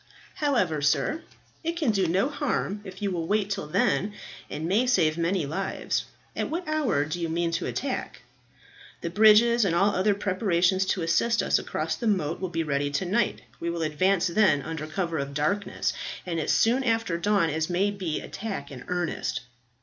However sir, it can do no harm if you will wait till then, and may save many lives. At what hour do you mean to attack?" "The bridges and all other preparations to assist us across the moat will be ready to night. We will advance then under cover of darkness, and as soon after dawn as may be attack in earnest."